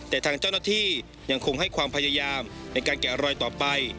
แต่ทางเจ้าหน้าที่ยังคงให้ความพยายามในการแกะรอยต่อไป